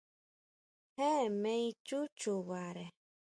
Jee me ichú chubare.